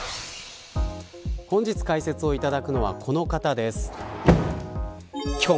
本日解説をいただくのはこの方です。